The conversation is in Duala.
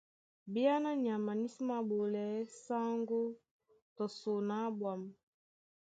Bìáná nyama ní sí māɓolɛɛ́ sáŋgó tɔ son á ɓwǎm̀.